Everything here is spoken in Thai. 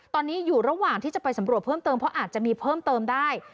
ตอนนี้อยู่ระหว่างที่จะไปสำรวจเพิ่มเติมเพราะอาจจะมีเพิ่มเติมได้